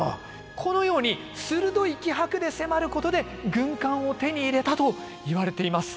このように鋭い気迫で迫ることで軍艦を手に入れたといわれています。